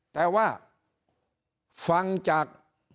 แต่ว่าฟังจาก